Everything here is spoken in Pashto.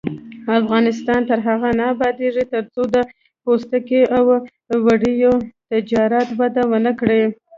افغانستان تر هغو نه ابادیږي، ترڅو د پوستکي او وړیو تجارت وده ونه کړي.